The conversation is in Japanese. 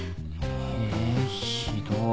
えひどい。